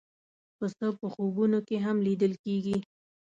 پسه په خوبونو کې هم لیدل کېږي.